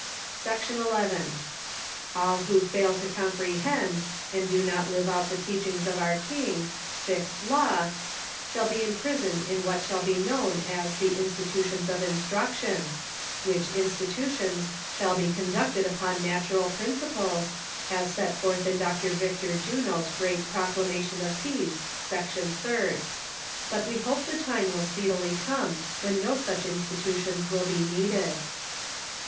Section XI. All who fail to comprehend and do not 396 THE SOCIAL WAR OF 1900; OR, live out the teachings of our Iving— Fixed Law— shall be imprisoned in what sliall be known as the "■institutions of instruction,'''' which institutions shall be conducted \\\Mn natural principles, as set forth in Dr. Victor Juno's great proclamation of peace, section third ; but we hope the time will speedily come when no such institutions will be needed.